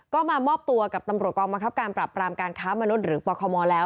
ก็มามอบตัวกับตำรวจกองบังคับการปรับปรามการค้ามนุษย์หรือปคมแล้ว